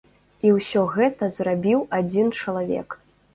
І ўсё гэта зрабіў адзін чалавек.